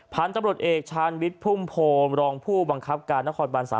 พันธุ์ตำรวจเอกชาญวิทย์พุ่มโพมรองผู้บังคับการนครบัน๓